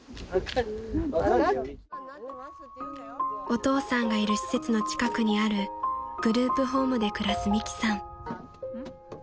［お父さんがいる施設の近くにあるグループホームで暮らす美樹さん］